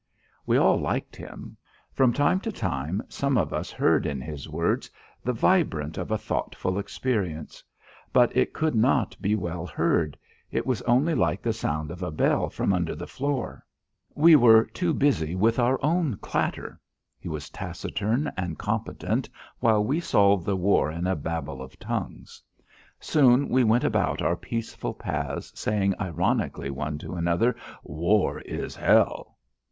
We all liked him. From time to time some of us heard in his words the vibrant of a thoughtful experience. But it could not be well heard; it was only like the sound of a bell from under the floor. We were too busy with our own clatter. He was taciturn and competent while we solved the war in a babble of tongues. Soon we went about our peaceful paths saying ironically one to another: "War is hell."